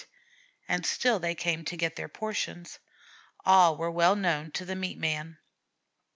And still they came to get their portions. All were well known to the meat man.